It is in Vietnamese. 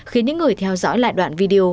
khiến những người theo dõi lại đoạn video